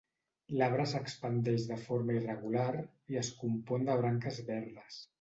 L'arbre s'expandeix de forma irregular, i es compon de branques verdes.